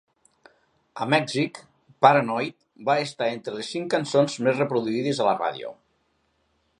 A Mèxic, "...Paranoid" va estar entre les cinc cançons més reproduïdes a la ràdio.